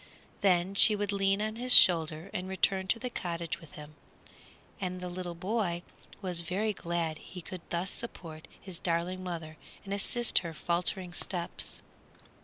Then she would lean on his shoulder and return to the cottage with him, and the boy was very glad he could thus support his darling mother and assist her faltering steps.